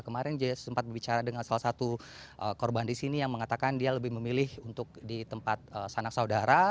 kemarin dia sempat berbicara dengan salah satu korban di sini yang mengatakan dia lebih memilih untuk di tempat sanak saudara